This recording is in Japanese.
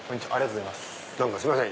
すいません